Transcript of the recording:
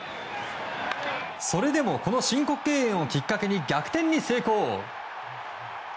それでも、この申告敬遠をきっかけに逆転に成功。